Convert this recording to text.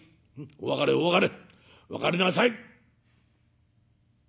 お別れお別れ別れなさい」。